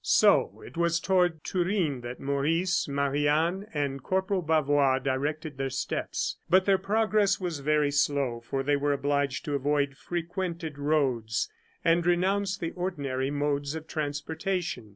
So it was toward Turin that Maurice, Marie Anne, and Corporal Bavois directed their steps. But their progress was very slow, for they were obliged to avoid frequented roads, and renounce the ordinary modes of transportation.